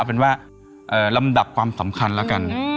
เป็นว่าลำดับความสำคัญแล้วกัน